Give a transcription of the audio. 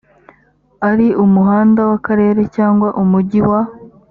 ari umuhanda w akarere cyangwa umujyi wa